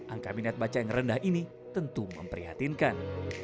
angka minat baca yang rendah ini tentu memprihatinkan